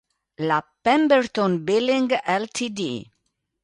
La Pemberton-Billing Ltd.